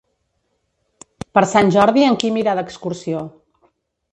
Per Sant Jordi en Quim irà d'excursió.